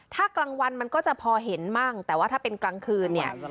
ถ้ากลางวันมันก็จะพอเห็นมั่งแต่ว่าถ้าเป็นกลางคืนเนี่ย